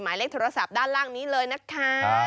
หมายเลขโทรศัพท์ด้านล่างนี้เลยนะคะ